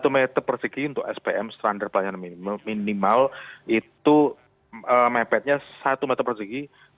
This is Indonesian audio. satu meter persegi untuk spm standar pelayanan minimal itu mepetnya satu meter persegi